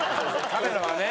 カメラはね。